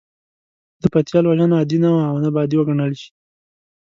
د پتيال وژنه عادي نه وه او نه به عادي وګڼل شي.